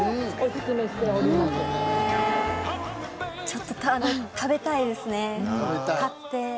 ちょっと食べたいですね買って。